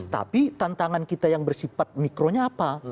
tapi tantangan kita yang bersifat mikronya apa